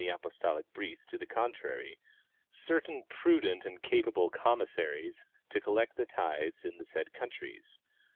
apostolic brief to the contrary, certain prudent and capable com mib'saries to collect the tithes in the said countries.